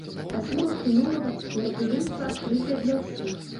Па словах кінолага, мерапрыемства адкрытае для ўсіх.